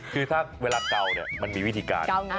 คือเวลาเกามันมีวิธีการ